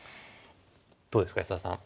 どうですか安田さん。